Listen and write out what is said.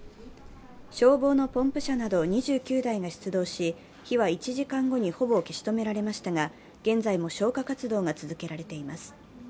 消防のポンプ車など２９台が出動し火は１時間後にほぼ消し止められましたが、現在も消火活動が続けられています。